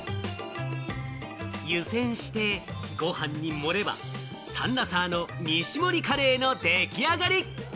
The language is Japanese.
湯せんして、ご飯に盛ればサンラサーの２種盛りカレーの出来上がり。